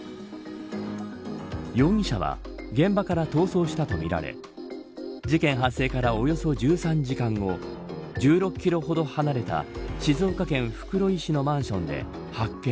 容疑者は現場から逃走したとみられ事件発生からおよそ１３時間後１６キロほど離れた静岡県袋井市のマンションで発見